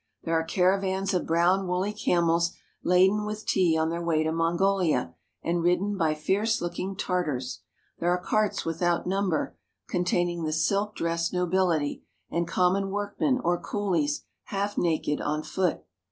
There are caravans of brown woolly camels laden with tea on their way to Mongolia and ridden by fierce looking Tartars. There are carts without number containing the silk dressed nobility, and common workmen or coolies, half naked, on foot.